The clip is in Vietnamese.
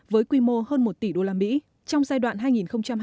với quy mô hơn một tỷ usd trong giai đoạn hai nghìn hai mươi một hai nghìn hai mươi